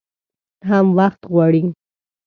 هم وخت غواړي .